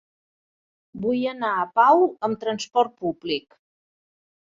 Vull anar a Pau amb trasport públic.